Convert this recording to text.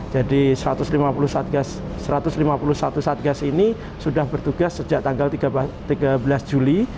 jadi satu ratus lima puluh satu satgas ini sudah bertugas sejak tanggal tiga belas juli